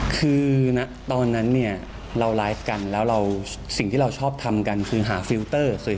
คือตอนนั้นเนี่ยเราไลฟ์กันแล้วเราสิ่งที่เราชอบทำกันคือหาฟิลเตอร์